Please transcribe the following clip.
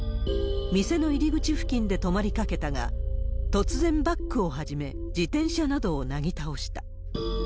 店の入り口付近で止まりかけたが、突然バックを始め、自転車などをなぎ倒した。